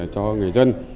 cho người dân